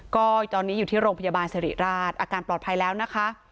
ก็ตอนนี้อยู่ที่โรงพยาบาลสิริราชอาการปลอดภัยแล้วนะคะ